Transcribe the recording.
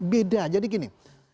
beda jadi gini